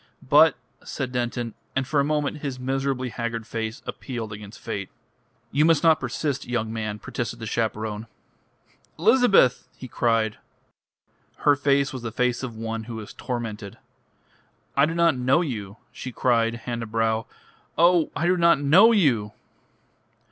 "But " said Denton, and for a moment his miserably haggard face appealed against fate. "You must not persist, young man," protested the chaperone. "Elizabeth!" he cried. Her face was the face of one who is tormented. "I do not know you," she cried, hand to brow. "Oh, I do not know you!"